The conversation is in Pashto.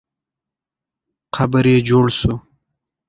قبر یې جوړ سو.